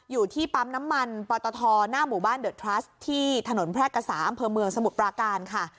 อยู่ที่ปั๊มน้ำมันปตทหน้าหมู่บ้านเดอร์ทรัสที่ถนนแพร่กษาอำเภอเมืองสมุทรปราการค่ะ